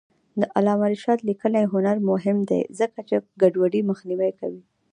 د علامه رشاد لیکنی هنر مهم دی ځکه چې ګډوډي مخنیوی کوي.